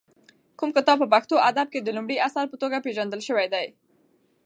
کوم کتاب په پښتو ادب کې د لومړي اثر په توګه پېژندل شوی دی؟